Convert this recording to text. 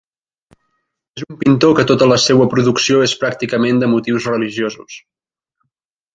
És un pintor que tota la seua producció és pràcticament de motius religiosos.